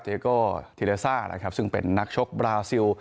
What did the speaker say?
โกธิเลซ่านะครับซึ่งเป็นนักชกบราซิล